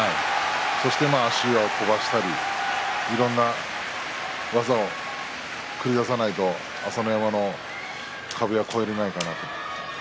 そして足を飛ばしたりいろんな技を繰り出さないと朝乃山の壁は越えられないかなと。